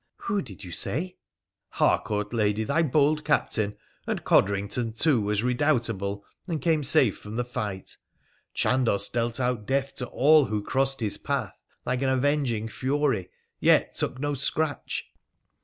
' Who did you say ?'' Harcourt, lady, thy bold captain. And Codrington, too, was redoubtable, and came safe from the fight. Chandos dealt out death to all who crossed his path, like an avenging fury, yet took no scratch.